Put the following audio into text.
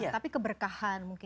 tapi keberkahan mungkin